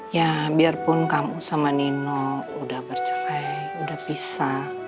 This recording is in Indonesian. ya biarpun kamu sama nino udah bercerai udah pisah